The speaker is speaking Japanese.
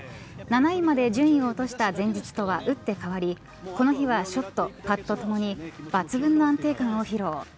７位まで順位を落とした前日とはうって変わりこの日はショット、パットともに抜群の安定感を披露。